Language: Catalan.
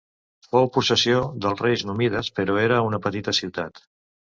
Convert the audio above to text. Fou possessió dels reis númides però era una petita ciutat.